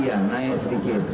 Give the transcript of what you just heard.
ya naik sedikit